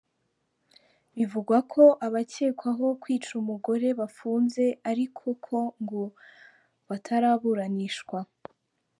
Bivugwa ko abakekwaho kwica umugore bafunze ariko ko ngo bataraburanishwa.